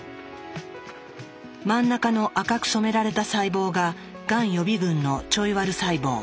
真ん中の赤く染められた細胞ががん予備群のちょいワル細胞。